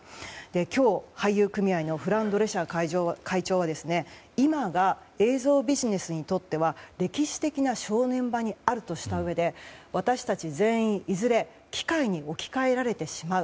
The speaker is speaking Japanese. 今日、俳優組合のフラン・ドレシャー会長は今が映像ビジネスにとっては歴史的な正念場にあるとしたうえで私たち全員いずれ機械に置き換えられてしまう。